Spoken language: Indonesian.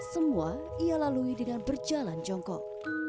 semua ia lalui dengan berjalan jongkok